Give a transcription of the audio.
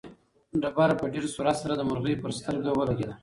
تیږه په ډېر سرعت سره د مرغۍ په سترګه ولګېده.